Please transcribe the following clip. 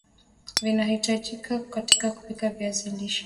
vinavyahitajika katika kupika viazi lishe